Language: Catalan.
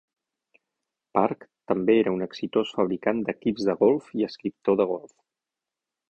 Park també era un exitós fabricant d'equips de golf i escriptor de golf.